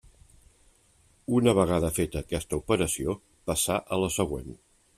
Una vegada feta aquesta operació, passà a la següent.